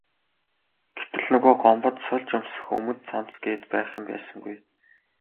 Гэтэл нөгөө Гомбод сольж өмсөх өмд цамц гээд байх юм байсангүй.